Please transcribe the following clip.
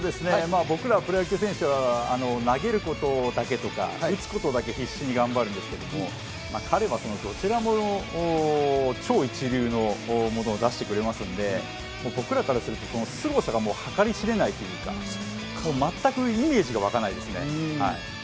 僕らプロ野球選手は投げることだけとか、打つことだけ必死に頑張るんですけれども、彼はどちらも超一流の物を出してくれますので、僕らからすると、すごさが計り知れないというか、全くイメージが湧かないですね。